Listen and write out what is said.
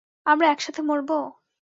আমরা একসাথে মরবো?